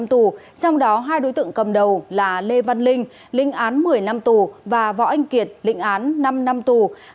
trong đó hai đối tượng cầm đầu là lê văn linh lĩnh án một mươi năm tù và võ anh kiệt lĩnh án năm năm tù